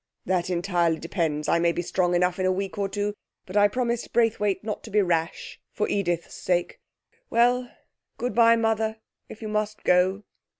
'That entirely depends. I may be strong enough in a week or two, but I promised Braithwaite not to be rash for Edith's sake. Well, good bye, Mother, if you must go.'